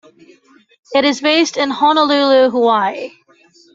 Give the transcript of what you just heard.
It is based in Honolulu, Hawaii.